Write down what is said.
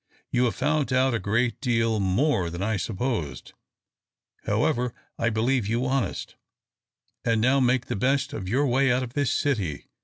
"You have found out a great deal more than I supposed. However, I believe you honest: and now make the best of your way out of this city.